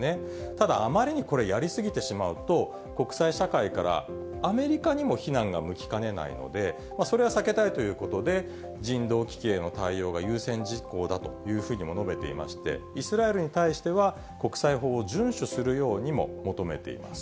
ただ、あまりにこれ、やり過ぎてしまうと、国際社会からアメリカにも非難が向きかねないので、それは避けたいということで、人道危機への対応が優先事項だというふうにも述べていまして、イスラエルに対しては、国際法を順守するようにも求めています。